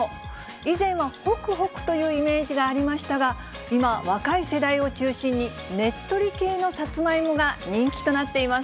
以前はほくほくというイメージがありましたが、今、若い世代を中心に、ねっとり系のさつまいもが人気となっています。